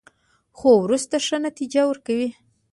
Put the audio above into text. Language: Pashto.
خو وروسته ښه نتیجه ورکوي.